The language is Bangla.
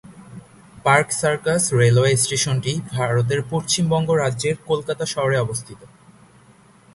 পার্ক সার্কাস রেলওয়ে স্টেশনটি ভারতের পশ্চিমবঙ্গ রাজ্যের কলকাতা শহরে অবস্থিত।